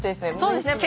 そうですね。